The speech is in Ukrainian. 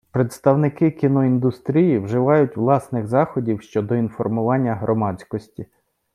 Представники кіноіндустрії вживають власних заходів, щодо інформування громадськосі.